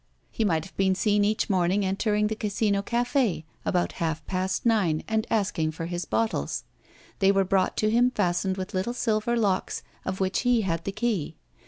He might have been seen each morning entering the Casino Café about half past nine and asking for his bottles. They were brought to him fastened with little silver locks of which he had the key.